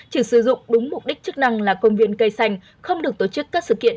chỉ sử dụng đúng mục đích chức năng là công viên cây xanh không được tổ chức các sự kiện